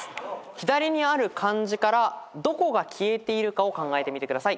左にある漢字からどこが消えているかを考えてみてください。